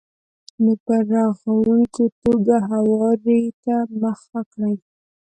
نو په رغونکې توګه هواري ته مخه کړئ.